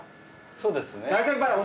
そうですね。